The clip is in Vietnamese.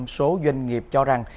sáu mươi sáu bảy số doanh nghiệp cho rằng